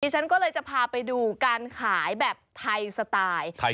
ฉันก็เลยจะพาไปดูการขายแบบไทยสไตล์